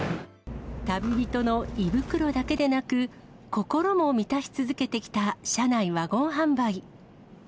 旅人の胃袋だけでなく、心も満たし続けてきた車内ワゴン販売。